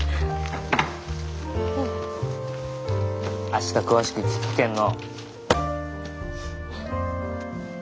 明日詳しく聞くけんの。